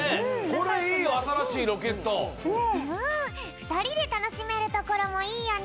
ふたりでたのしめるところもいいよね。